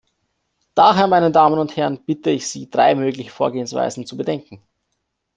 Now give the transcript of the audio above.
Daher, meine Damen und Herren, bitte ich Sie, drei mögliche Vorgehensweisen zu bedenken.